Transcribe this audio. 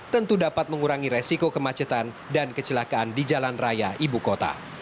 tentu dapat mengurangi resiko kemacetan dan kecelakaan di jalan raya ibu kota